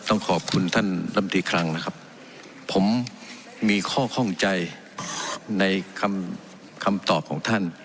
ต้องขอบคุณท่านลำตีคลังนะครับผมมีข้อข้องใจในคำคำตอบของท่าน